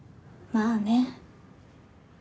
まあね。